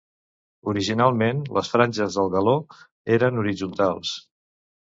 Originalment les franges del galó eren horitzontals.